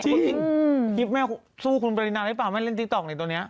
จริงคลิปแม่สู้คุณปรินาปได้ป่ะไม่เล่นติ๊กต๊อกในตัวเนี้ย